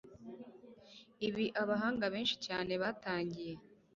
ibi abahanga benshi cyane batangiye